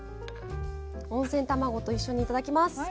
温泉卵と一緒に頂きます。